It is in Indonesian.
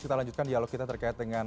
kita lanjutkan dialog kita terkait dengan